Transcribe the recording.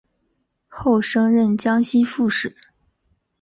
后升任江西副使。